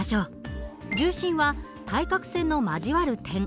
重心は対角線の交わる点